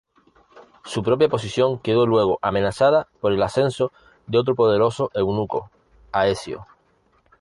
Su propia posición quedó luego amenazada por el ascenso de otro poderoso eunuco, Aecio.